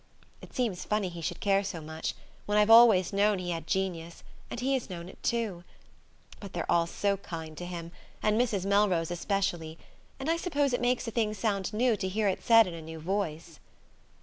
It seems funny he should care so much, when I've always known he had genius and he has known it too. But they're all so kind to him; and Mrs. Melrose especially. And I suppose it makes a thing sound new to hear it said in a new voice."